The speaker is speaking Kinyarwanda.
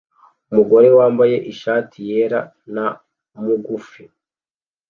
Umugore wambaye ishati yera na mugufi